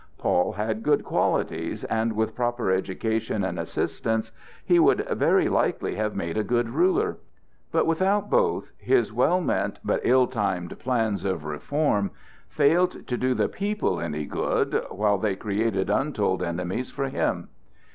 Paul had good qualities, and with proper education and assistance, he would very likely have made a good ruler; but without both, his well meant but ill timed plans of reform failed to do the people any good, while they created untold enemies for him.